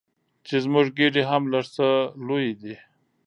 چې زموږ ګېډې هم لږ څه لویې دي.